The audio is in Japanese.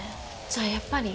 じゃあやっぱり。